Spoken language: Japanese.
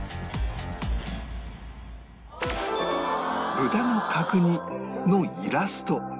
豚の角煮のイラスト